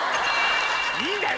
いいんだよ！